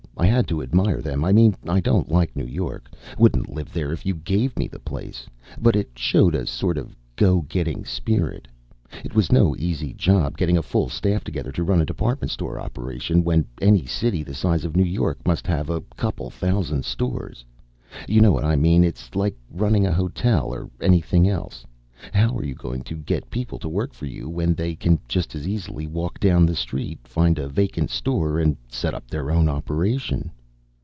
I had to admire them. I mean I don't like New York wouldn't live there if you gave me the place but it showed a sort of go getting spirit. It was no easy job getting a full staff together to run a department store operation, when any city the size of New York must have a couple thousand stores. You know what I mean? It's like running a hotel or anything else how are you going to get people to work for you when they can just as easily walk down the street, find a vacant store and set up their own operation?